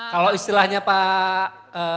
kalau istilahnya pak